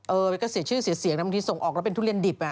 มันก็เสียชื่อเสียเสียงนะบางทีส่งออกแล้วเป็นทุเรียนดิบ